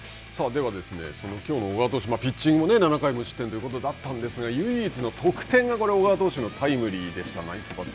ではですね、きょうの小川投手、ピッチングも７回無失点ということだったんですが、唯一の得点が小川投手のタイムリーでした。